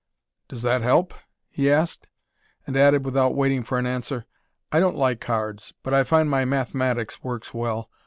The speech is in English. "Does that help?" he asked, and added without waiting for an answer, "I don't like cards, but I find my mathematics works well....